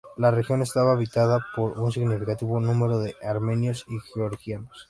La región estaba habitada por un significativo número de armenios y georgianos.